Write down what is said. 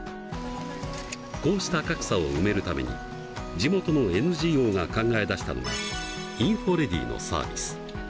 こうした格差を埋めるために地元のＮＧＯが考え出したのがインフォレディのサービス。